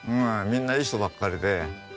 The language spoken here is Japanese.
みんないい人ばっかりで。